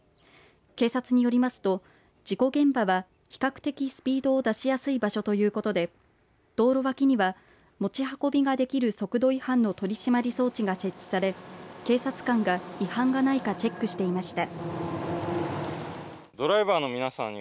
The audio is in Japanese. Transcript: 警察によりますと事故現場は比較的スピードを出しやすい場所ということで道路脇には持ち運びができる速度違反の取締り装置が設置され警察官が違反がないかチェックしていました。